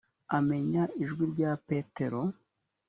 amenya ijwi rya petero,